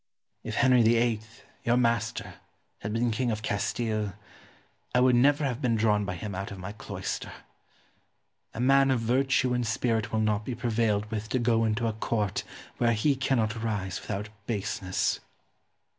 Ximenes. If Henry VIII., your master, had been King of Castile, I would never have been drawn by him out of my cloister. A man of virtue and spirit will not be prevailed with to go into a Court where he cannot rise without baseness.